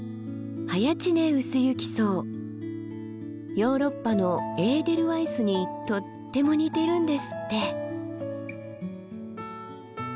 ヨーロッパのエーデルワイスにとっても似ているんですって。